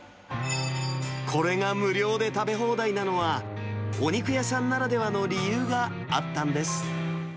これが無料で食べ放題なのは、お肉屋さんならではの理由があったんです。